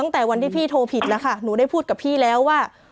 ตั้งแต่วันที่พี่โทรผิดนะคะหนูได้พูดกับพี่แล้วว่า